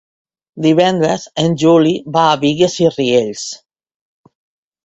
Divendres en Juli va a Bigues i Riells.